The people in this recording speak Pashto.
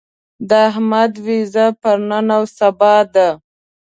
د احمد وېزه پر نن او سبا ده.